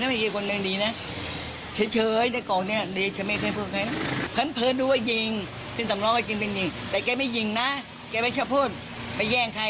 สำร้องนี่ไม่แย่งใครเลยนะโหใครขึ้นก็ขึ้นใครไม่ขึ้นไปแล้วไปนะไม่แย่งไม่เอา